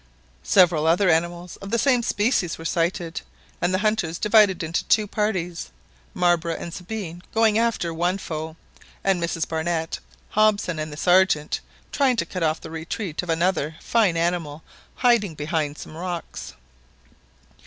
Several other animals of the same species were sighted, and the hunters divided into two parties Marbre and Sabine going after one foe, and Mrs Barnett, Hobson, and the Sergeant, trying to cut off the retreat of another fine animal hiding behind some rocks.